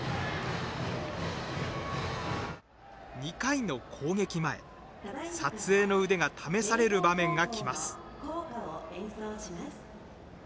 ２回の攻撃前、撮影の腕が試される場面がきます。